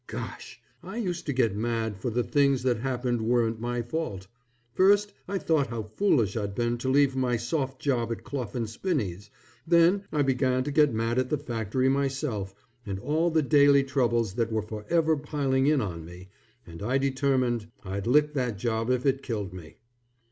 Gosh! I used to get mad for the things that happened weren't my fault. First, I thought how foolish I'd been to leave my soft job at Clough & Spinney's, then, I began to get mad at the factory, myself, and all the daily troubles that were forever piling in on me, and I determined I'd lick that job if it killed me.